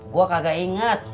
gua kagak inget